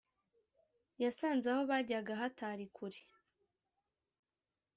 yasanze aho bajyaga hatari kure